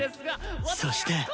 そして。